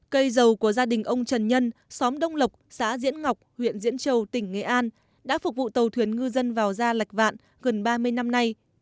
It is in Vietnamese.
cây dầu của gia đình ông trần nhân xóm đông lộc xã diễn ngọc huyện diễn châu tỉnh nghệ an đã phục vụ tàu thuyền ngư dân vào ra lạch vạn gần ba mươi năm nay